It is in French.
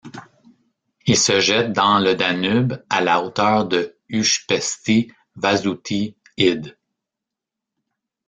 Il se jette dans le Danube à la hauteur du Újpesti vasúti híd.